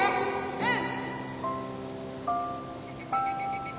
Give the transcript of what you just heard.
うん！